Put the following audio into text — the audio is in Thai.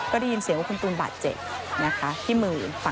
ก็ได้ยินเสียงว่าคุณตูนบาดเจ็บนะคะที่มือ